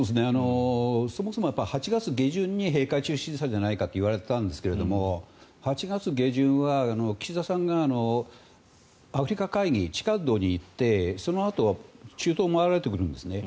そもそも８月下旬に閉会中審査じゃないかと言われていたんですが８月下旬は岸田さんが、アフリカ会議ＴＩＣＡＤに行ってそのあと中東を回られてくるんですね。